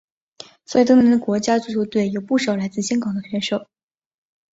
所以当年的国家足球队有不少来自香港的选手。